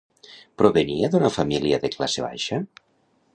Provenia d'una família de classe baixa?